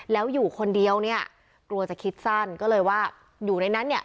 แล้วอยู่คนเดียวเนี่ยกลัวจะคิดสั้นก็เลยว่าอยู่ในนั้นเนี่ย